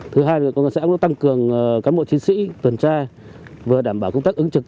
thứ hai là công an xã cũng tăng cường cán bộ chiến sĩ tuần tra vừa đảm bảo công tác ứng trực